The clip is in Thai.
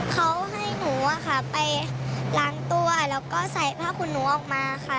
เขาให้หนูไปล้างตัวแล้วก็ใส่ผ้าขุนหนูออกมาค่ะ